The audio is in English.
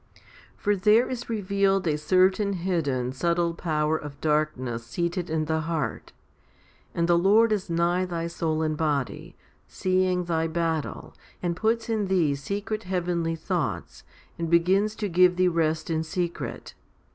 10. For there is revealed a certain hidden, subtle power of darkness seated in the heart ; and the Lord is nigh thy soul and body, seeing thy battle, and puts in thee secret heavenly thoughts, and begins to give thee rest in secret.